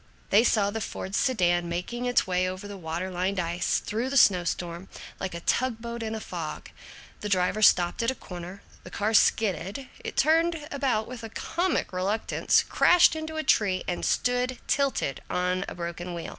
They saw the Ford sedan making its way over the water lined ice, through the snow storm, like a tug boat in a fog. The driver stopped at a corner. The car skidded, it turned about with comic reluctance, crashed into a tree, and stood tilted on a broken wheel.